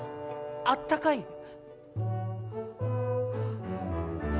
あったかい？